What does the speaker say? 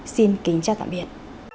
xin kính chào tạm biệt